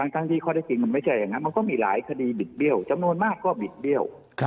ทั้งที่ข้อได้จริงมันไม่ใช่อย่างนั้นมันก็มีหลายคดีบิดเบี้ยวจำนวนมากก็บิดเบี้ยว